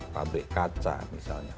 fabrik kaca misalnya